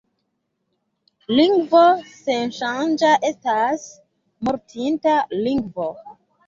Lingvo senŝanĝa estas mortinta lingvo.